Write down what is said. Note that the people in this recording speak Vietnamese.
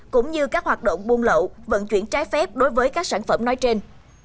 cũng như các hoạt động buôn lậu vận chuyển trái phép đối với các sản phẩm nói trên